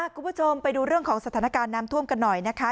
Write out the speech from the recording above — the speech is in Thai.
คุณผู้ชมไปดูเรื่องของสถานการณ์น้ำท่วมกันหน่อยนะคะ